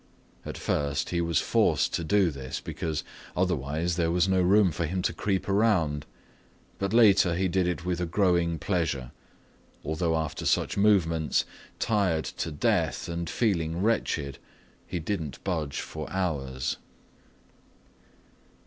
At first he was forced to do this because otherwise there was no room for him to creep around, but later he did it with a growing pleasure, although after such movements, tired to death and feeling wretched, he didn't budge for hours.